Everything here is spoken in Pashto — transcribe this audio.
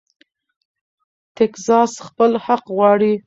ټیکساس خپل حق غواړي.